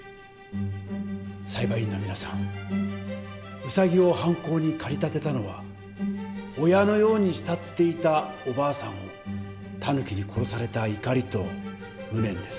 裁判員の皆さんウサギを犯行に駆り立てたのは親のように慕っていたおばあさんをタヌキに殺された怒りと無念です。